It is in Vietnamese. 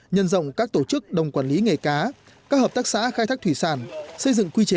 nhân rộng các tổ chức đồng quản lý nghề cá các hợp tác xã khai thác thủy sản xây dựng quy chế